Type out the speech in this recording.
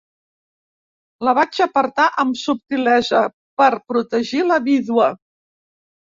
La vaig apartar amb subtilesa, per protegir la vídua.